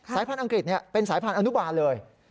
สายพันธุ์อังกฤษเป็นสายพันธุอนุบาลเลย